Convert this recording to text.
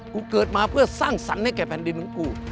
กูเกิดมาเพื่อสร้างสรรค์ให้แก่แผ่นดินของกู